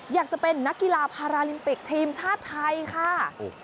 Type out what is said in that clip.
อยากจะเป็นนักกีฬาพาราลิมปิกทีมชาติไทยค่ะ